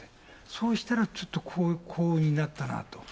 そうしたらちょっと幸運になったなと。